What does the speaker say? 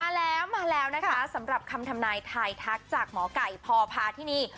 แล้วมาแล้วนะคะสำหรับคำทำนายทายทักจากหมอไก่พอพาที่นี่